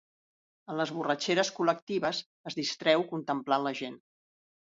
En les borratxeres col·lectives es distreu contemplant la gent.